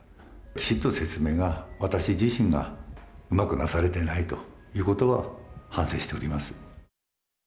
きちっと説明が、私自身がうまくなされていないということは、反省しております。